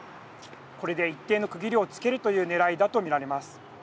これで一定の区切りをつけるというねらいだと見られます。